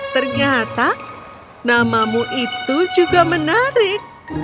ternyata namamu itu juga menarik